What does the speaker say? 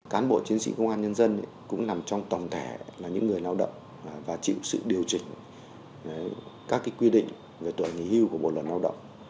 cán bộ chiến sĩ công an nhân dân cũng nằm trong tổng thể là những người lao động và chịu sự điều chỉnh các quy định về tuổi nghỉ hưu của bộ luật lao động